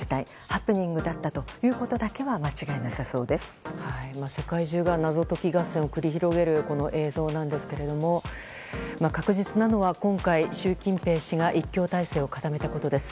ハプニングだったということは世界中が謎解き合戦を繰り広げるこの映像なんですけれども確実なのは今回、習近平氏が一強体制を固めたことです。